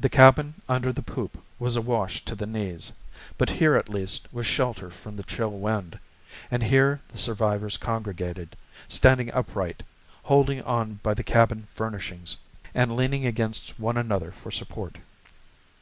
The cabin under the poop was awash to the knees, but here at least was shelter from the chill wind, and here the survivors congregated, standing upright, holding on by the cabin furnishings, and leaning against one another for support.